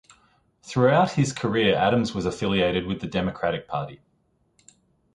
Throughout his career Adams was affiliated with the Democratic Party.